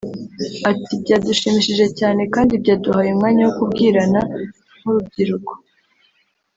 Ati "Byadushimishije cyane kandi byaduhaye umwanya wo kubwirana nk’urubyiruko